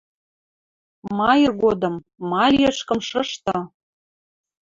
Ма иргодым? Ма лиэш кымшышты?